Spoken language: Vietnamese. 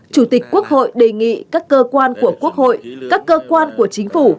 chủ tịch quốc hội đề nghị các cơ quan của quốc hội các cơ quan của chính phủ